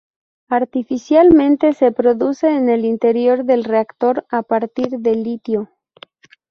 Artificialmente se produce en el interior del reactor a partir de litio.